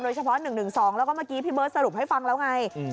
๑๑๒แล้วก็เมื่อกี้พี่เบิร์ตสรุปให้ฟังแล้วไง